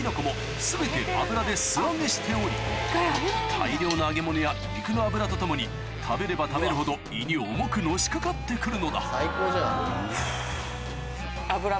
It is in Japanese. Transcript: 全て油で素揚げしており大量の揚げ物や肉の脂とともに食べれば食べるほど胃に重くのしかかって来るのだふぅ。